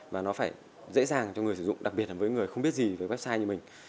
mà nó phải dễ dàng cho người sử dụng đặc biệt là với người không biết gì với website như mình